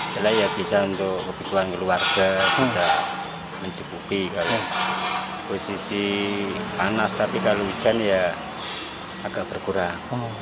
jelas ya bisa untuk kebutuhan keluarga tidak mencukupi kalau posisi panas tapi kalau hujan ya agak berkurang